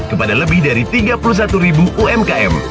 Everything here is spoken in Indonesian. kepada lebih dari tiga puluh satu ribu umkm